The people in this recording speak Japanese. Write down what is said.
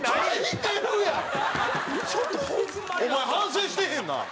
お前反省してへんな！